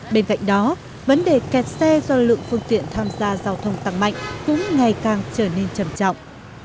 bên cạnh đó vấn đề kẹt xe do lượng phương tiện tham gia giao thông tăng mạnh cũng ngày càng trở nên trầm trọng